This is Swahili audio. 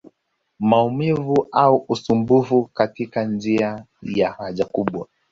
Maumivu au usumbufu katika njia ya haja kubwa